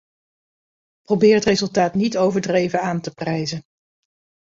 Probeer het resultaat niet overdreven aan te prijzen.